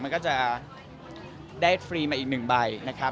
มันก็จะได้ฟรีมาอีกหนึ่งใบครับ